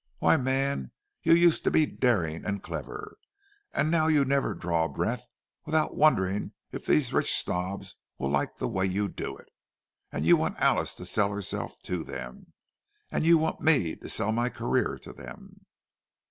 Why, man, you used to be daring and clever—and now you never draw a breath without wondering if these rich snobs will like the way you do it! And you want Alice to sell herself to them—you want me to sell my career to them!"